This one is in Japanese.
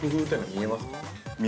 ◆見えます。